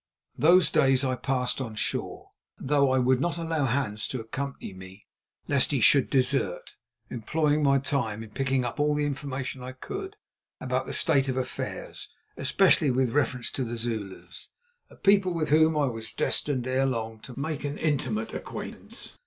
Those days I passed on shore, though I would not allow Hans to accompany me lest he should desert, employing my time in picking up all the information I could about the state of affairs, especially with reference to the Zulus, a people with whom I was destined ere long to make an intimate acquaintance.